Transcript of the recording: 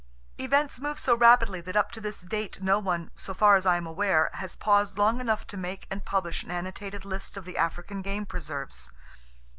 Events move so rapidly that up to this date no one, so far as I am aware, has paused long enough to make and publish an annotated list of the African game preserves.